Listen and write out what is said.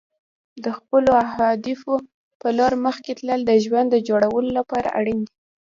د خپلو اهدافو په لور مخکې تلل د ژوند د جوړولو لپاره اړین دي.